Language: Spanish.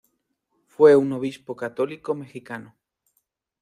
Fue un Obispo católico mexicano.